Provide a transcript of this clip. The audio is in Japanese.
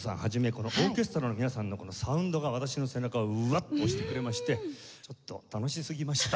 このオーケストラの皆さんのこのサウンドが私の背中をうわっと押してくれましてちょっと楽しすぎました。